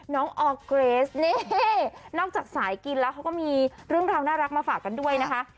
ออร์เกรสนี่นอกจากสายกินแล้วเขาก็มีเรื่องราวน่ารักมาฝากกันด้วยนะคะ